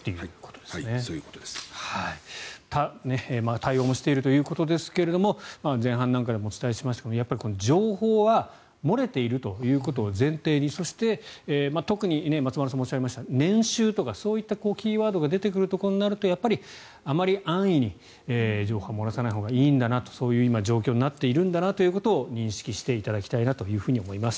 対応もしているということですが前半なんかでもお伝えしましたがやっぱり情報は漏れているということを前提にそして特に松丸さんもおっしゃいました年収とかそういったキーワードが出てくるとやっぱりあまり安易に情報は漏らさないほうがいいんだなとそういう今、状況になっているんだなということを認識していただきたいなと思います。